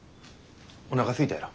おなかすいたやろ。